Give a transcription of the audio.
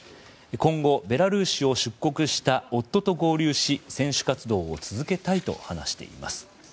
今後、ベラルーシを出国した夫と合流し選手活動を続けたいと話しています。